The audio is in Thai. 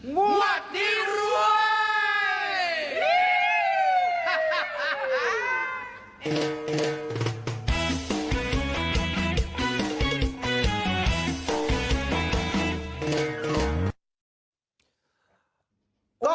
ฮ่าฮ่าฮ่า